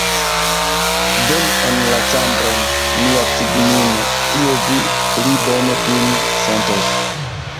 Venu en la ĉambron, mia cignino, tie vi pli bone vin sentos!